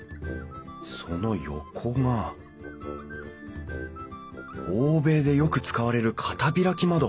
その横が欧米でよく使われる片開き窓。